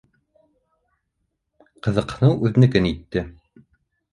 Ҡыҙыҡһыныу үҙенекен итте.